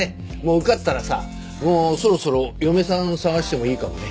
受かったらさもうそろそろ嫁さん探してもいいかもね。